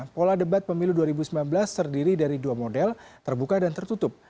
pola debat pemilu dua ribu sembilan belas terdiri dari dua model terbuka dan tertutup